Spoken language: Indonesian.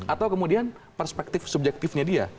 atau kemudian perspektif subjektifnya dia